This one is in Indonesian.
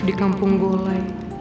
di kampung gola